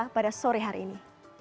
pada sore hari ini